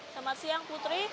selamat siang putri